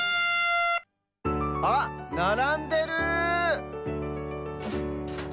あっならんでる！